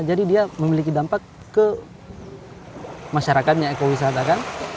jadi dia memiliki dampak ke masyarakatnya ekowisata kan